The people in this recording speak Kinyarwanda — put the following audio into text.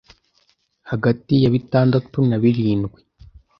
hagati ya bitandatu na birindwi